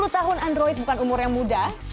sepuluh tahun android bukan umur yang muda